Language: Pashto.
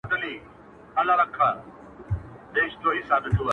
مُلا سړی سو په خپل وعظ کي نجلۍ ته ويل!!